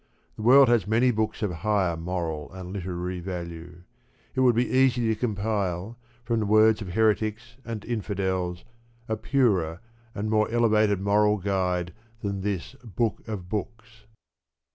The world has many books of higher moral and literary value. It would be easy to compile, from the words of Heretics and Infidels, a purer and more elevated moral guide than this "Book of Books."